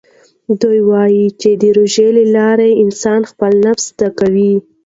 ده وايي چې د روژې له لارې انسان خپل نفس زده کوي.